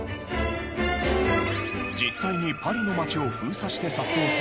実際にパリの街を封鎖して撮影され